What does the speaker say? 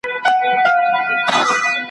د میرې څپېړه د اور لمبه ده `